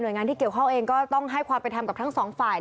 โดยงานที่เกี่ยวข้องเองก็ต้องให้ความเป็นธรรมกับทั้งสองฝ่าย